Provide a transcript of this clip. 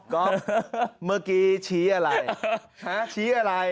ก็เมื่อกี้ชี้อะไรชี้อะไร